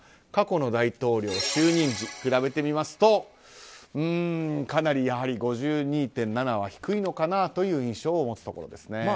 過去の大統領就任時比べてみますとかなり５２．７は低いのかなという印象を持つところです。